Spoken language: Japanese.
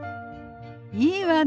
いいわね。